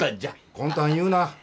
魂胆言うな。